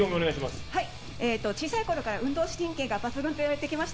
小さいころから運動神経が抜群といわれてきました。